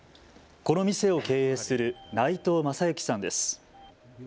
この店を経営する内藤政行さんです。